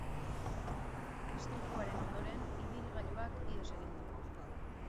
Istripuaren ondoren, ibilgailuak ihes egin du.